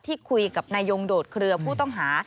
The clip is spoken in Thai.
ที่คุยกับนายยงโดดเครือผู้ต้องหา